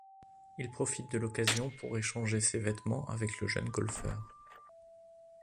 Il profite de l'occasion pour échanger ses vêtements avec le jeune golfeur.